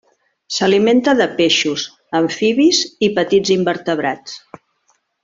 S'alimenta de peixos, amfibis i petits invertebrats.